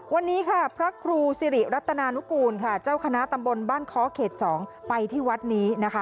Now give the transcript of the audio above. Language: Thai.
วันนี้พระครูสิริรัตนานุกูลเจ้าคณะตำบลบ้านเคาะเขต๒ไปที่วัดนี้